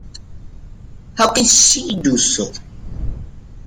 How can she do so?